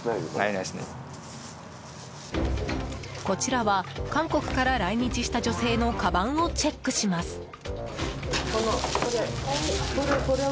こちらは、韓国から来日した女性のかばんをチェックします。